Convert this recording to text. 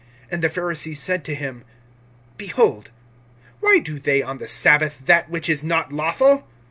(24)And the Pharisees said to him: Behold, why do they on the sabbath that which is not lawful?